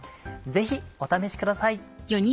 ぜひお試しください。